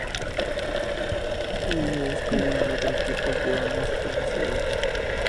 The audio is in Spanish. Ello es común a otros tipos de ondas superficiales.